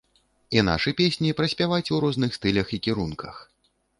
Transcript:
І нашы песні праспяваць у розных стылях і кірунках.